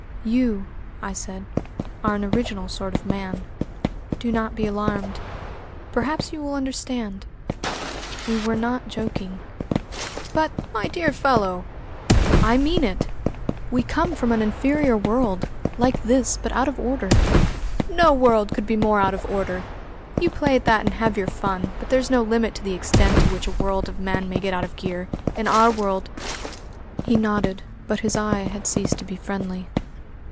"You," I said, "are an original sort of man. Do not be alarmed. Perhaps you will understand.... We were not joking." "But, my dear fellow!" "I mean it! We come from an inferior world! Like this, but out of order." "No world could be more out of order " "You play at that and have your fun. But there's no limit to the extent to which a world of men may get out of gear. In our world " He nodded, but his eye had ceased to be friendly.